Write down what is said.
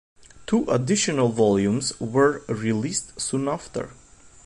Two additional volumes were released soon after.